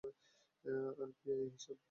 আর পিইএ হিসাব?